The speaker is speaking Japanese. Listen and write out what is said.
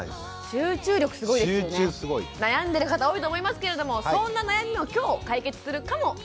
集中すごい。悩んでる方多いと思いますけれどもそんな悩みも今日解決するかもしれませんよ。